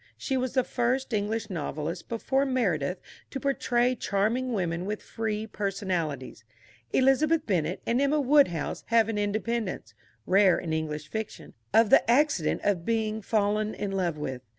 She was the first English novelist before Meredith to portray charming women with free personalities. Elizabeth Bennet and Emma Woodhouse have an independence (rare in English fiction) of the accident of being fallen in love with.